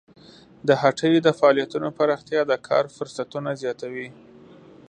د هټیو د فعالیتونو پراختیا د کار فرصتونه زیاتوي.